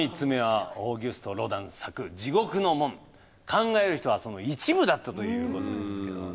「考える人」はその一部だったということですけどもね。